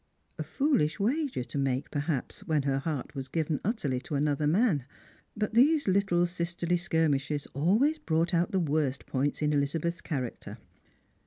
A foolish wager to make, perhaps, when her heart was given utterly to another man; but these little sisterly skirmishes always brought out the worst points in Elizabeth's character.